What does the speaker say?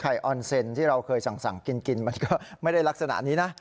ออนเซ็นที่เราเคยสั่งกินมันก็ไม่ได้ลักษณะนี้นะ